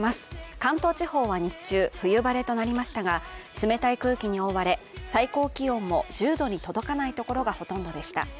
関東地方は日中、冬晴れとなりましたが冷たい空気に覆われ、最高気温も１０度に届かないところがほとんどでした。